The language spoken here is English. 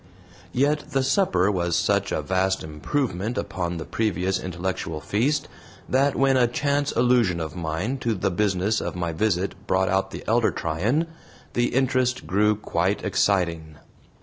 Yet the supper was such a vast improvement upon the previous intellectual feast that when a chance allusion of mine to the business of my visit brought out the elder Tryan, the interest grew quite exciting.